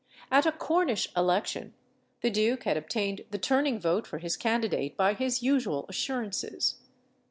At a Cornish election, the duke had obtained the turning vote for his candidate by his usual assurances.